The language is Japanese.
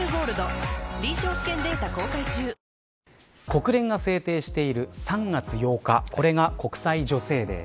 国連が制定している３月８日これが国際女性デー。